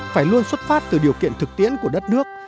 phải luôn xuất phát từ điều kiện thực tiễn của đất nước